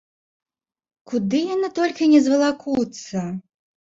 Куды яны толькі не звалакуцца?!